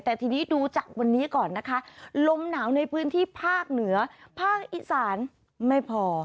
แต่ทีนี้ดูจากวันนี้ก่อนนะคะลมหนาวในพื้นที่ภาคเหนือภาคอีสานไม่พอ